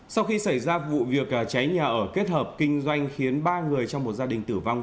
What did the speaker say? sau khi xảy ra vụ việc cháy nhà ở kết hợp kinh doanh khiến ba người trong một gia đình tử vong